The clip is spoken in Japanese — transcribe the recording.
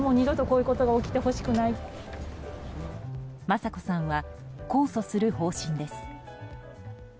雅子さんは控訴する方針です。